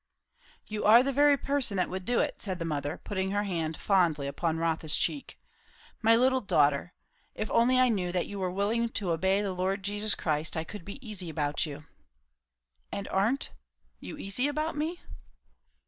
"You are the very person that would do it," said the mother; putting her hand fondly upon Rotha's cheek. "My little daughter! If only I knew that you were willing to obey the Lord Jesus Christ, I could be easy about you." "And aren't, you easy about me?"